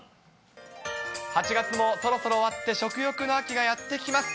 ８月もそろそろ終わって食欲の秋がやってきます。